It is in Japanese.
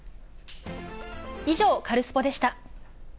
以上、カルスポっ！でした。